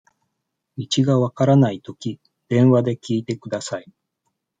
道がわからないとき、電話で聞いてください。